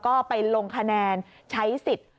ก็ไปลงคะแนนใช้สิทธิ์